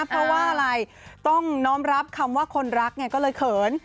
เพราะว่าอะไรต้องน้อมรับคำว่าคนรักไงก็เลยเขิน